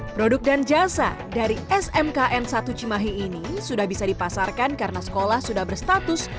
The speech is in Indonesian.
produk dan jasa dari smkn satu cimahi ini sudah bisa dipasarkan karena sekolah sudah berstatus